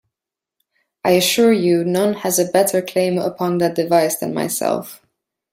I assure you, none has a better claim upon that device than myself.